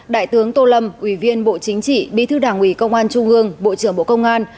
đại tướng tô lâm ủy viên bộ chính trị bí thư đảng ủy công an trung ương bộ trưởng bộ công an